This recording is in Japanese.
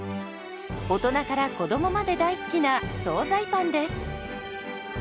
大人から子どもまで大好きな総菜パンです。